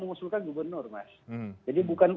mengusulkan gubernur mas jadi bukan